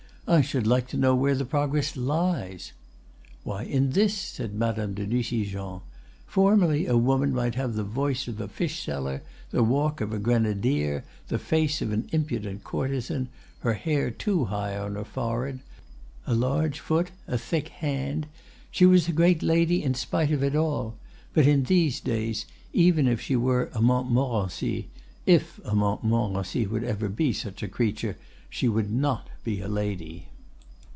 "I should like to know where the progress lies?" "Why, in this," said Madame de Nucingen. "Formerly a woman might have the voice of a fish seller, the walk of a grenadier, the face of an impudent courtesan, her hair too high on her forehead, a large foot, a thick hand—she was a great lady in spite of it all; but in these days, even if she were a Montmorency—if a Montmorency would ever be such a creature—she would not be a lady."